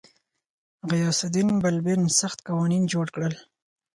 غیاث الدین بلبن سخت قوانین جوړ کړل.